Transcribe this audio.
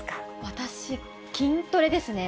私、筋トレですね。